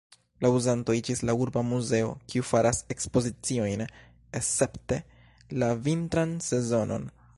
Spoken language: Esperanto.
La uzanto iĝis la urba muzeo, kiu faras ekspoziciojn escepte la vintran sezonon.